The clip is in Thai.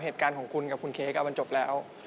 เหตุการณ์ของคุณกับคุณเค้กมันจบแล้ว